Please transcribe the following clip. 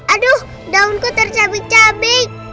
aduh daunku tercabik cabik